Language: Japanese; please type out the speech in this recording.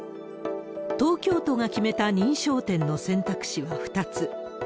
東京都が決めた認証店の選択肢は２つ。